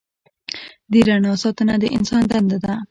د رڼا ساتنه د انسان دنده ده.